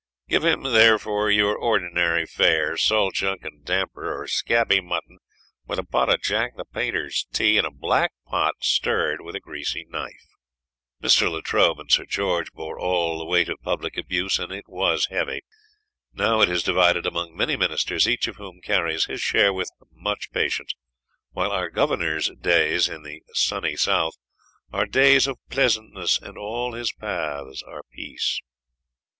Give him, therefore, your ordinary fare, salt junk and damper, or scabby mutton, with a pot of Jack the Painter's tea, in a black pot stirred with a greasy knife." Mr. Latrobe and Sir George bore all the weight of public abuse, and it was heavy. Now it is divided among many Ministers, each of whom carries his share with much patience, while our Governor's days in the "Sunny South" are "days of pleasantness, and all his paths are peace."